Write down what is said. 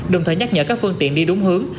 đồng thời nhắc nhở các phương tiện đi đúng hướng